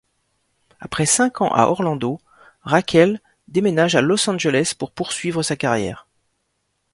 Après cinq ans à Orlando, Raquel déménage à Los Angeles pour poursuivre sa carrière.